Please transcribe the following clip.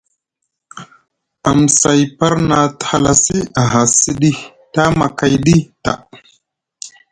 Amsay par na te halasi aha siɗi tamakayɗi taa.